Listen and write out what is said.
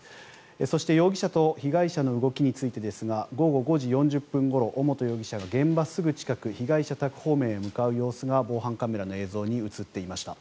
そして容疑者と被害者の動きについてですが午後５時４０分ごろ尾本容疑者が現場すぐ近く被害者宅方面へ向かう様子が防犯カメラの映像に映っていました。